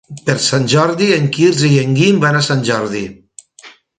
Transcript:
Per Sant Jordi en Quirze i en Guim van a Sant Jordi.